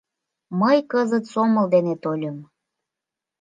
Мый кызыт сомыл дене тольым.